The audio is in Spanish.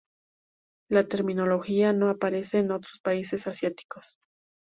La terminología no aparece en otros países asiáticos.